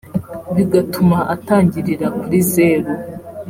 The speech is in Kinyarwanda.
bigatuma atangirira kuri zeru